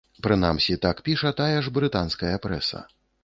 Прынамсі так піша тая ж брытанская прэса.